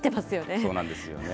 そうなんですよね。